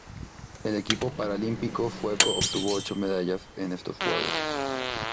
El equipo paralímpico sueco obtuvo ocho medallas en estos Juegos.